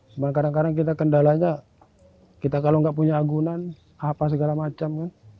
cuma kadang kadang kita kendalanya kita kalau nggak punya agunan apa segala macam kan